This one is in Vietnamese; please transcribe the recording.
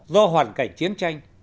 do hoàn cảnh chiến tranh